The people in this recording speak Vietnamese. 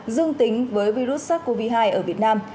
dương tính với virus sars cov hai ở việt nam